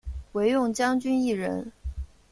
惟用将军一人。